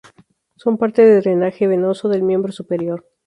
Son parte de drenaje venoso del miembro superior.